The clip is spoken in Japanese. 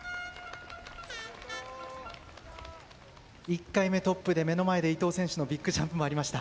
１回目トップで、目の前で伊藤選手のビッグジャンプもありました。